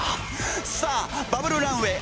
さあバブルランウェイ